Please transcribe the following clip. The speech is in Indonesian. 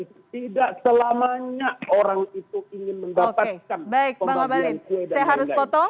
tidak selamanya orang itu ingin mendapatkan pembangunan siaya dan negara